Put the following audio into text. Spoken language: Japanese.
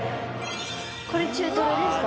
これ中トロですか？